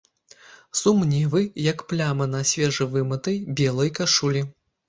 Сумневы, як плямы на свежа вымытай, белай кашулі.